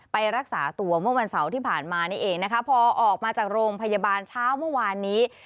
ไปรักษาตัวเมื่อวันเสาร์ที่ผ่านมานี่เองนะคะพอออกมาจากโรงพยาบาลเช้าเมื่อวานนี้